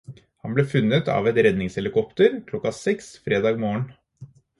Han ble funnet av et redningshelikopter klokka seks fredag morgen.